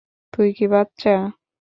তুই কি বাচ্চা?